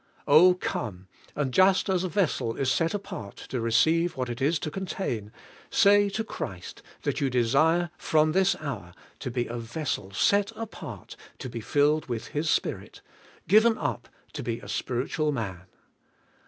Oh, come! and just as a vessel is set apart to receive what it is to contain, say to Christ that you desire from this hour to be a vessel set apart to be filled with His Spirit, given up to be a spiritual man.